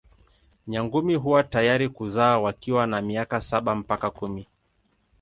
Nyangumi huwa tayari kuzaa wakiwa na miaka saba mpaka kumi.